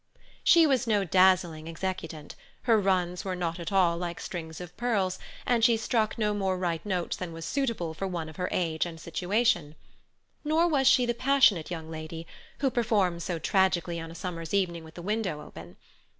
She was no dazzling exécutante; her runs were not at all like strings of pearls, and she struck no more right notes than was suitable for one of her age and situation. Nor was she the passionate young lady, who performs so tragically on a summer's evening with the window open.